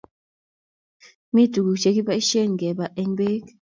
mi tuguk che kibaishen keba eng bek